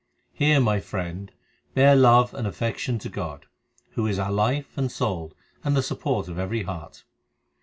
Hear, my friend, bear love and affection to God, Who is our life and soul and the support of every heart.